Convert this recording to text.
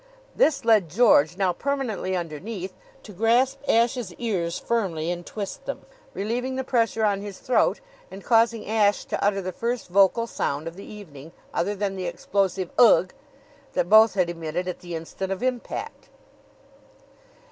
This led George, now permanently underneath, to grasp Ashe's ears firmly and twist them, relieving the pressure on his throat and causing Ashe to utter the first vocal sound of the evening, other than the explosive Ugh! that both had emitted at the instant of impact.